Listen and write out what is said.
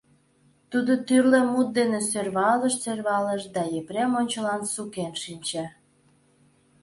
Тудо тӱрлӧ мут дене сӧрвалыш-сӧрвалыш да Епрем ончылан сукен шинче.